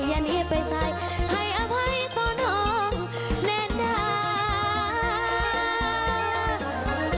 ยันเอียดไปใส่ให้อาภัยตัวน้องแน่เด้ออาย